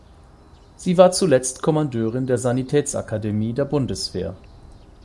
Sie war zuletzt Kommandeurin der Sanitätsakademie der Bundeswehr.